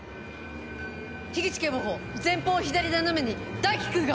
口警部補前方左斜めに大樹君が！